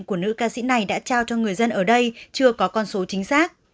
của nữ ca sĩ này đã trao cho người dân ở đây chưa có con số chính xác